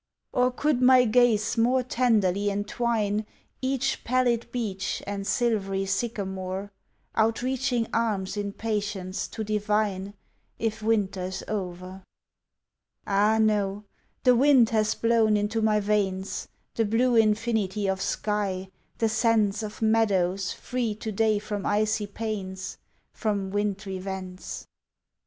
Or could my gaze more tenderly entwine Each pallid beech and silvery sycamore Outreaching arms in patience to divine If winter's o'er? Ah no, the wind has blown into my veins The blue infinity of sky, the sense Of meadows free to day from icy pains From wintry vents.